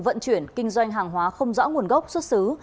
vận chuyển kinh doanh hàng hóa không rõ nguồn gốc xuất xứ